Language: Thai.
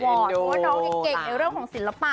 เพราะว่าน้องเก่งในเรื่องของศิลปะ